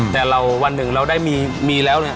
แต่เราวันหนึ่งเราได้มีแล้วเนี่ย